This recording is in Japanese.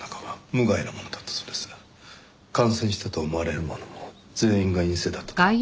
感染したと思われる者も全員が陰性だったと。